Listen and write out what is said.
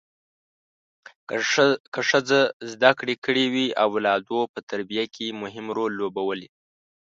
که ښځه زده کړې کړي وي اولادو په تربیه کې مهم رول لوبوي